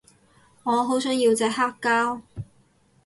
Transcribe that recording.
我好想要隻黑膠